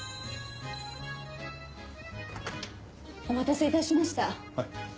お待たせ致しました。